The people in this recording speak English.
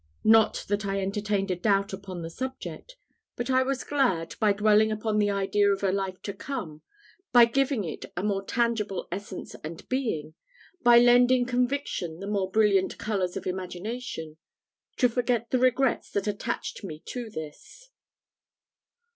Not that I entertained a doubt upon the subject; but I was glad, by dwelling upon the idea of a life to come by giving it a more tangible essence and being by lending conviction the more brilliant colours of imagination to forget the regrets that attached me to this.